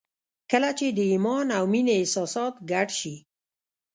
کله چې د ایمان او مینې احساسات ګډ شي